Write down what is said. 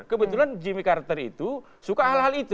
kebetulan jimmy carter itu suka hal hal itu